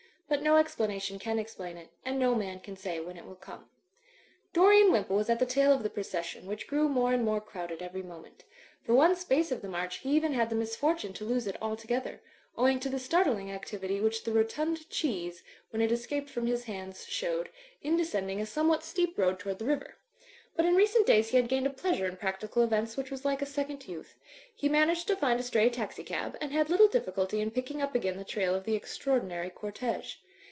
But no explanation can explain it ; and no man can say when it will come. Dorian Wimpole was at the tail of the procession, which grew more and more crowded every moment. For one space of the march he even had the misfor tune to lose it altogether ; owing to the startling activ ity which the rottmd cheese when it escaped from his hands showed, in descending a somewhat steep road toward the river. But in recent days he had gained a pleasure in practical events which was like a second youth. He managed to find a stray taxi cab ; and had little difficulty in picking up again the trail of the ex traordinary cortege.